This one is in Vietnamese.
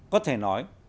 có thể nói